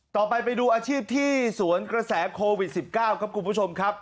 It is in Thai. ต่อไปไปดูอาชีพที่สวนกระแสโควิดสิบเก้าครับคุณผู้ชมครับ